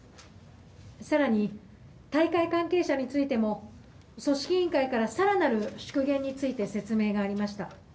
更に大会関係者についても組織委員会から更なる縮減について説明がありました。